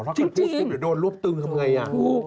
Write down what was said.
พูดจริงเดี๋ยวโดนรวบตึงทำยังไง